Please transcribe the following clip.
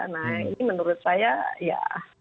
nah ini menurut saya ya